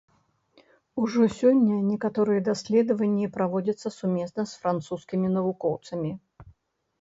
Ужо сёння некаторыя даследаванні праводзяцца сумесна з французскімі навукоўцамі.